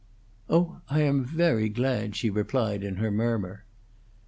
"Oh, I am very glad," she replied, in her murmur.